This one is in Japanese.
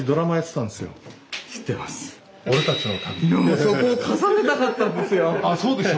俺そこを重ねたかったんですよ。